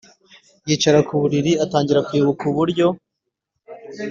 yicara kuburiri atangira kwibuka uburyo